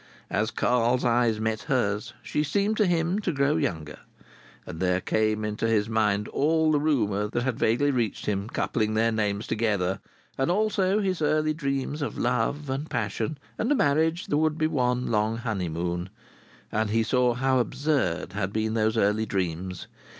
As Carl's eyes met hers she seemed to him to grow younger. And there came into his mind all the rumour that had vaguely reached him coupling their names together; and also his early dreams of love and passion and a marriage that would be one long honeymoon. And he saw how absurd had been those early dreams.